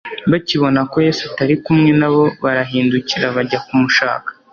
Bakibona ko Yesu atari kumwe nabo, barahindukira bajya kumushaka.